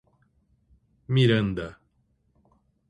Miranda